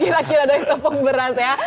kira kira dari tepung beras ya